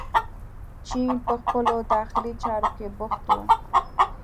چین په خپلو داخلي چارو کې بوخت و.